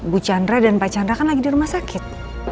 bu chandra dan pak chandra kan lagi di rumah sakit